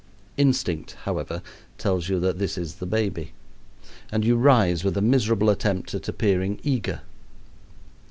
Instinct, however, tells you that this is the baby, and you rise with a miserable attempt at appearing eager.